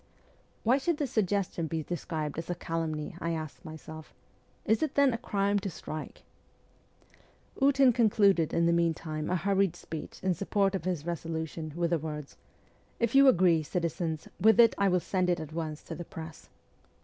' Why should this suggestion be described as a calumny ?' I asked myself. ' Is it, then, a crime to strike ?' Ootin concluded in the meantime a hurried speech in support of his resolution with the words, ' If you agree, citizens, with it I will send it at once to the press.'